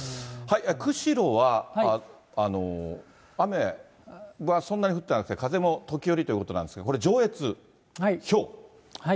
釧路は、雨はそんなに降ってなくて、風も時折ということなんですが、これ、上越、ひょう。